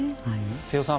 瀬尾さん